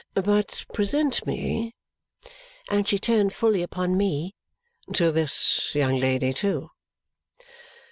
But present me," and she turned full upon me, "to this young lady too!"